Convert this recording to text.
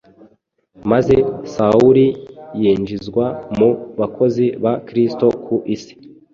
maze Sawuli yinjizwa mu bakozi ba Kristo ku isi.